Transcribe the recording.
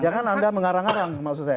ya kan anda mengarang arang maksud saya